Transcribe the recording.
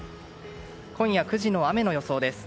今夜９時の雨の予想です。